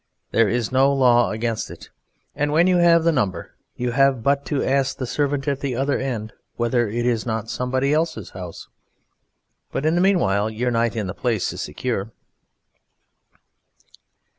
There is no law against it, and when you have the number you have but to ask the servant at the other end whether it is not somebody else's house. But in the meanwhile your night in the place is secure.